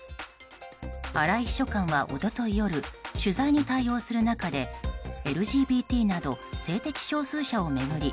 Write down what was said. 荒井秘書官は一昨日夜取材に対応する中でＬＧＢＴなど性的少数者を巡り